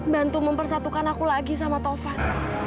bantu mempersatukan aku lagi sama tovan